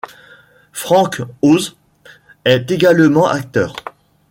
Frank Oz est également acteur.